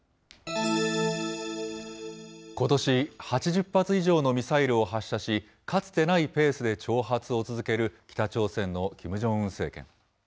ことし、８０発以上のミサイルを発射し、かつてないペースで挑発を続ける北朝鮮のキム・ジョンウン政権。